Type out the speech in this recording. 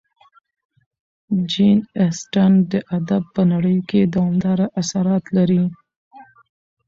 جین اسټن د ادب په نړۍ کې دوامداره اثرات لري.